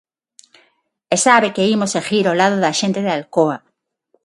E sabe que imos seguir ao lado da xente de Alcoa.